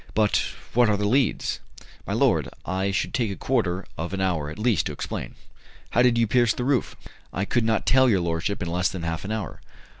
"But.... what are The Leads?" "My lord, I should take a quarter of an hour, at least, to explain." "How did you pierce the roof?" "I could not tell your lordship in less than half an hour."